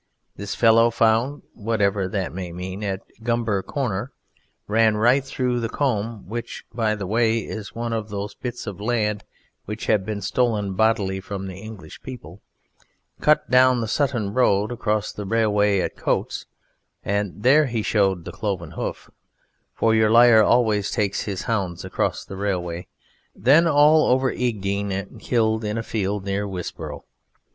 This fellow "found" (whatever that may mean) at Gumber Corner, ran right through the combe (which, by the way, is one of those bits of land which have been stolen bodily from the English people), cut down the Sutton Road, across the railway at Coates (and there he showed the cloven hoof, for your liar always takes his hounds across the railway), then all over Egdean, and killed in a field near Wisborough.